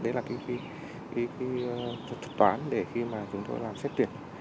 đấy là cái thuật toán để khi mà chúng tôi làm xét tuyển